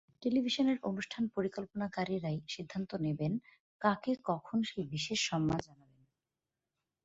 টেলিভিশনের অনুষ্ঠান পরিকল্পনাকারীরাই সিদ্ধান্ত নেবেন কাকে কখন সেই বিশেষ সম্মান জানাবেন।